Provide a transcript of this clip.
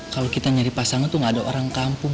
kalo kita nyari pasangan tuh gak ada orang kampung